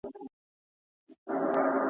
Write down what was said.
باران اورېده خو کار روان و.